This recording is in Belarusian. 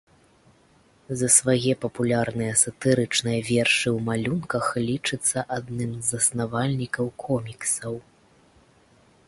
За свае папулярныя сатырычныя вершы ў малюнках лічыцца адным з заснавальнікаў коміксаў.